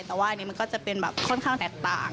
แต่ว่าอันนี้มันก็จะเป็นแบบค่อนข้างแตกต่าง